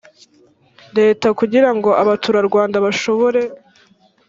leta kugira ngo abaturarwanda bashobore